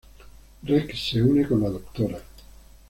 Rex se une con la Dra.